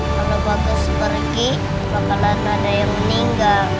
kalau bagus pergi bakalan ada yang meninggal